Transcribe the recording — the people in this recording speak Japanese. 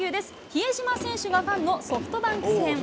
比江島選手がファンのソフトバンク戦。